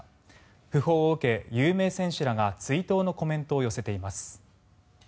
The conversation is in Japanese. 訃報を受け、有名選手らが追悼のコメントを寄せています。